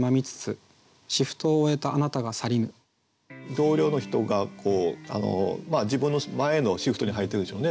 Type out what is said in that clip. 同僚の人が自分の前のシフトに入ってるんでしょうね。